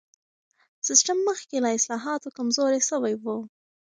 سیستم مخکې له اصلاحاتو کمزوری سوی و.